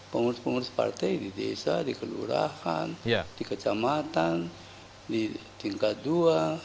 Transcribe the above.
pengurus pengurus partai di desa di kelurahan di kecamatan di tingkat dua